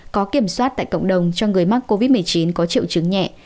có kiểm soát tại cộng đồng cho người mắc covid một mươi chín có triệu chứng nhẹ